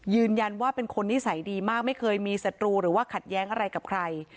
ยืนยันว่าเป็นคนนิสัยดีมากไม่เคยมีศัตรูหรือว่าขัดแย้งอะไรกับใคร